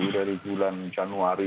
dari bulan januari